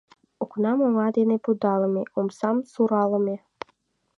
Окнам оҥа дене пудалыме, омсам суралыме.